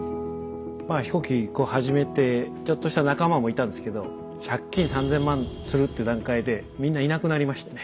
まあ飛行機こう始めてちょっとした仲間もいたんですけど借金３０００万するっていう段階でみんないなくなりましたね。